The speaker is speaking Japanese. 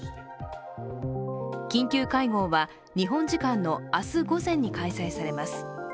緊急会合は、日本時間の明日午前に開催されます。